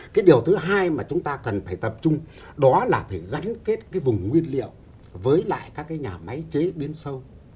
cái điều thứ hai mà chúng ta cần phải tập trung đó là phải gắn kết cái vùng nguyên liệu với lại các cái nhà máy chế biến sâu